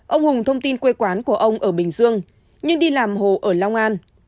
ông hùng thông tin quê quán của ông ở bình dương nhưng đi làm hồ ở long an